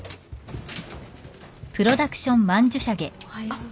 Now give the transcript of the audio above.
あっ。